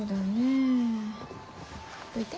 どいて。